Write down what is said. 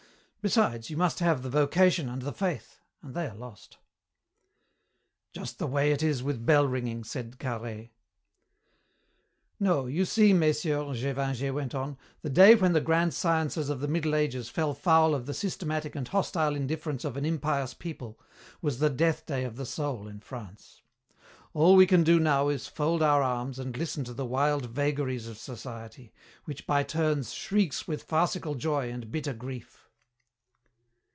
Besides, you must have the vocation and the faith, and they are lost." "Just the way it is with bell ringing," said Carhaix. "No, you see, messieurs," Gévingey went on, "the day when the grand sciences of the Middle Ages fell foul of the systematic and hostile indifference of an impious people was the death day of the soul in France. All we can do now is fold our arms and listen to the wild vagaries of society, which by turns shrieks with farcical joy and bitter grief."